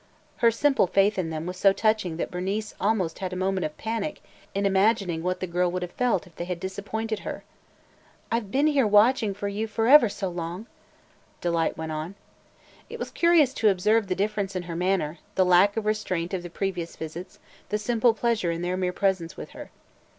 Her simple faith in them was so touching that Bernice had almost a moment of panic in imagining what the girl would have felt if they had disappointed her. "I 've been here watching for you ever so long!" Delight went on. It was curious to observe the difference in her manner – the lack of the restraint of the previous visits, the simple pleasure in their mere presence with her.